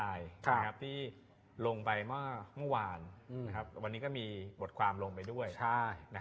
ในขณะออนไลน์ที่ลงไปเมื่อเมื่อวานวันนี้ก็มีบทความลงไปด้วย